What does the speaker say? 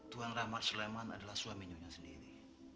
tuan rahmat sleman adalah suaminya sendiri